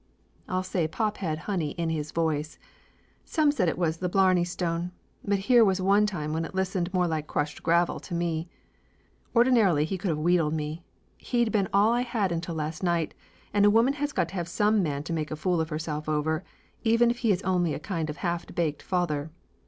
I'll say pop had honey in his voice. Some said it was the blarney stone, but here was one time when it listened more like crushed gravel to me. Ordinarily he could of wheedled me. He'd been all I had until last night, and a woman has got to have some man to make a fool of herself over, even if he is only a kind of half baked father.